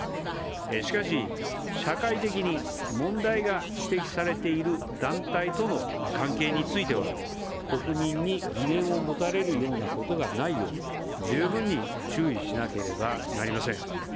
しかし、社会的に問題が指摘されている団体との関係については国民に疑念を持たれることがないよう十分に注意しなければなりません。